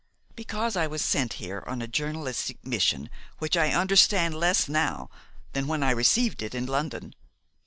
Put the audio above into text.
"Because I was sent here, on a journalistic mission which I understand less now than when I received it in London.